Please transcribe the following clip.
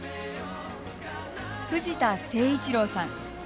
藤田聖一郎さん。